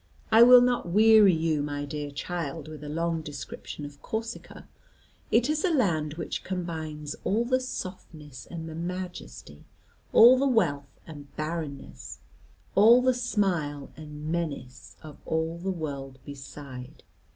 I will not weary you, my dear child, with a long description of Corsica. It is a land which combines all the softness and the majesty, all the wealth and barrenness, all the smile and menace of all the world beside.